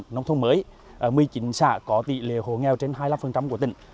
nông thôn mới một mươi chín xã có tỷ lệ hồ nghèo trên hai mươi năm của tỉnh